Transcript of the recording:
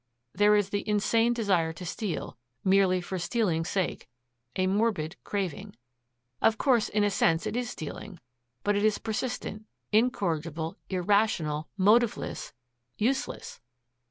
There is the insane desire to steal merely for stealing's sake a morbid craving. Of course in a sense it is stealing. But it is persistent, incorrigible, irrational, motiveless, useless.